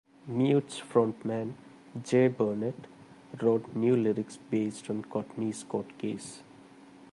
Mute's frontman Jay Burnett wrote new lyrics based on Courtney's court case.